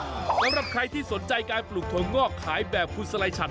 สำหรับใครที่สนใจการปลูกถั่วงอกขายแบบคุณสไลชัด